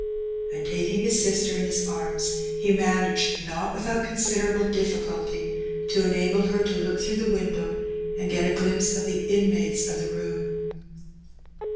And, taking his sister in his arms, he managed, not without considerable difficulty, to enable her to look Two Visits. 67 through the window and get a glimpse of the inmates of the room.